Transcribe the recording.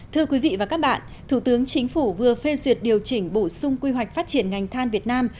thưa quý vị và các bạn thủ tướng chính phủ vừa phê duyệt điều chỉnh bổ sung quy hoạch phát triển ngành than việt nam